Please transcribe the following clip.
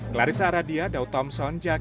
klarissa aradia dau thompson jaka